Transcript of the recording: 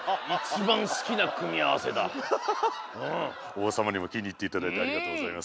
おうさまにもきにいっていただいてありがとうございます。